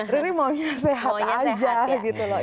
riri maunya sehat aja gitu loh